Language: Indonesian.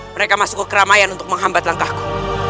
mereka masuk ke keramaian untuk menghambat langkahku